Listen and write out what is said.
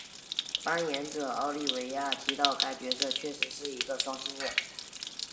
扮演者奥利维亚提到该角色确实是一个双性恋。